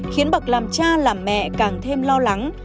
khiến bậc làm cha làm mẹ càng thêm lo lắng